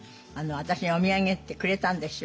私にお土産ってくれたんですよ。